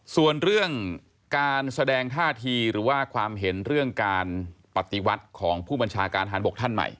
ส่วนเรื่องการแสดงท่าทีหรือว่าความเห็นเรื่องการปฏิวัติของผู้บัญชาการฐานบกท่านใหม่